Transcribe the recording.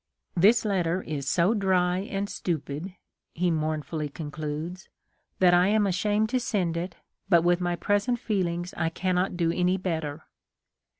This letter is so dry and stupid," he mournfully concludes, " that I am ashamed to send it, but with my present feelings I cannot do any better."